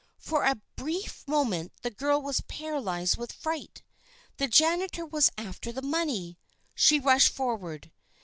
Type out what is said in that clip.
For a brief moment the girl was paralyzed with fright. The janitor was after the money! She rushed forward.